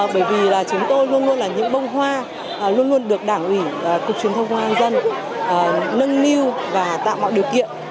bởi vì chúng tôi luôn luôn là những bông hoa luôn luôn được đảng ủy cục truyền thông công an dân nâng niu và tạo mọi điều kiện